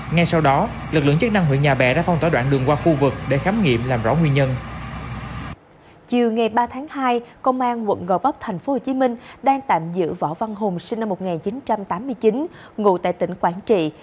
ngay sau đó lực lượng chức năng huyện nhà bè đã phong tỏa đoạn đường qua khu vực để khám nghiệm làm rõ nguyên nhân